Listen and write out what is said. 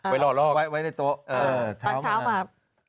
ไปรอลอกตอนเช้ามาครับเออไว้ในโต๊ะ